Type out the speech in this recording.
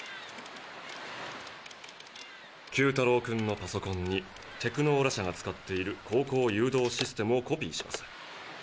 九太郎君のパソコンにテクノーラ社が使っている航行誘導システムをコピーします。